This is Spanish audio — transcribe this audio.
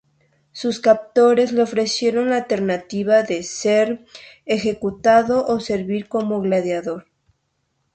Sus captores le ofrecieron la alternativa de ser ejecutado o servir como gladiador.